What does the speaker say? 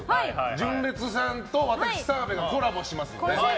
純烈さんと私、澤部がコラボしますので。